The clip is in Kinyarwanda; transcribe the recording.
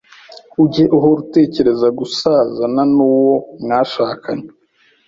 ujye uhora utekereza gusazana n’uwo mwashakanye.